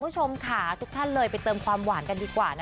คุณผู้ชมค่ะทุกท่านเลยไปเติมความหวานกันดีกว่านะ